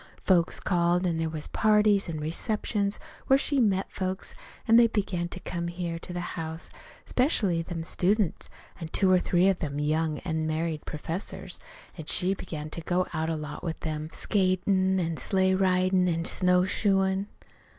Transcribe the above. Folks called, an' there was parties an' receptions where she met folks, an' they began to come here to the house, 'specially them students, an' two or three of them young, unmarried professors. An' she began to go out a lot with them skatin' an' sleigh ridin' an' snowshoein'.